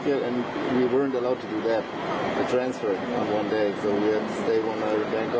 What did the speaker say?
เพราะเราต้องอยู่ประเทศไทย๑นาทีแล้วออกไปคุกเกล